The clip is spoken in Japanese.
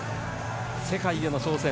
世界への挑戦